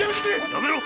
やめろ！